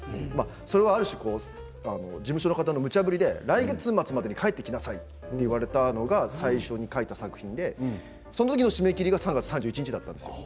それは、ある種事務所の方のむちゃ振りで来月末までに書いてきなさいと言われたのが最初に書いた作品でその時の締め切りが３月３１日だったんですよ。